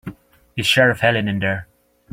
Is Sheriff Helen in there?